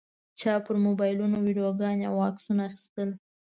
چا پر موبایلونو ویډیوګانې او عکسونه اخیستل.